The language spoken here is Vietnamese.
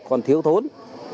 còn thiếu thốn